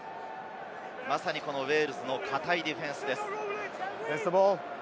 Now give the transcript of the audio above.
ウェールズの堅いディフェンスです。